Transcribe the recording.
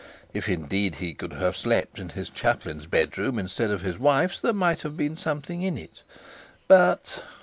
If indeed he could have slept in his chaplain's bed room instead of his wife's there might have been something in it. But